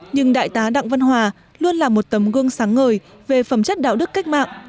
nhưng đại tá đặng văn hòa luôn là một tấm gương sáng ngời về phẩm chất đạo đức cách mạng